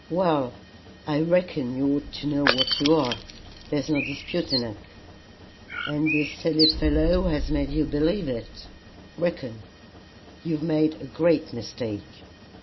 "Well, I reckon you ought to know what you are. There's no disputing it." "And this silly fellow has made you believe it?" "Reckon!" "You've made a great mistake."